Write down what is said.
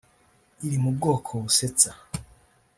iri mu bwoko busetsa